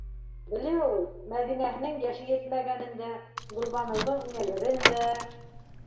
Белә ул: Мәҙинәһенең йәше етмәгәнен дә, Гөлбаныуҙың инәлерен дә...